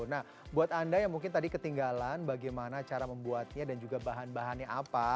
nah buat anda yang mungkin tadi ketinggalan bagaimana cara membuatnya dan juga bahan bahannya apa